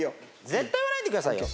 絶対言わないでくださいよ！